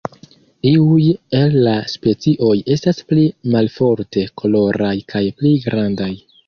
Iuj el la specioj estas pli malforte koloraj kaj pli grandaj.